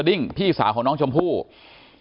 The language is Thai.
นี่คือรถกระบะของน้าของน้องชมพู่น้องชายของคุณแม่น้อง